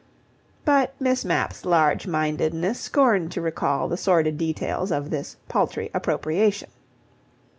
. but Miss Mapp's large mindedness scorned to recall the sordid details of this paltry appropriation.